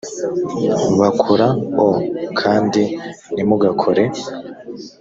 bakora o kandi ntimugakore